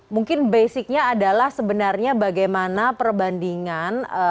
mungkin basicnya adalah sebenarnya bagaimana perbandingan